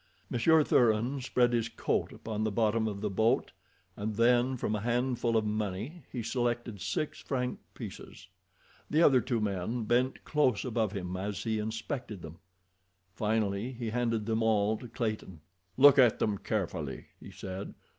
Monsieur Thuran spread his coat upon the bottom of the boat, and then from a handful of money he selected six franc pieces. The other two men bent close above him as he inspected them. Finally he handed them all to Clayton. "Look at them carefully," he said.